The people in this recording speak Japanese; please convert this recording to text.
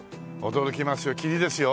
驚きますよ霧ですよ。